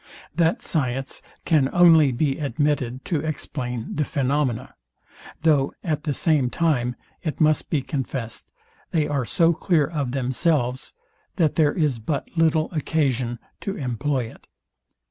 That science can only be admitted to explain the phaenomena; though at the same time it must be confest, they are so clear of themselves, that there is but little occasion to employ it.